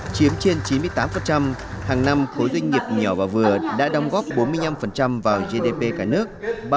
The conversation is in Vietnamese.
chiếm trên chín mươi tám hàng năm khối doanh nghiệp nhỏ và vừa đã đóng góp bốn mươi năm vào gdp cả nước